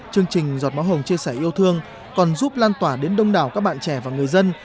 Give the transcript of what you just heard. chương trình giọt máu hồng chia sẻ yêu thương còn giúp lan tỏa đến đông đảo các bạn trẻ và người dân